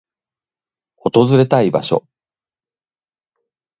訪れたい場所